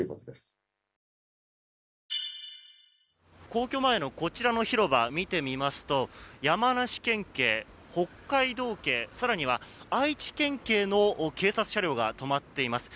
皇居前のこちらの広場には山梨県警、北海道警更には愛知県警の警察車両が止まっています。